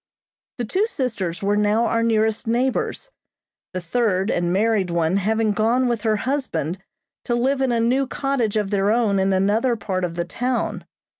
The two sisters were now our nearest neighbors, the third and married one having gone with her husband to live in a new cottage of their own in another part of the town.